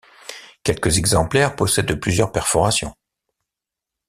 Quelques exemplaires possèdent plusieurs perforations.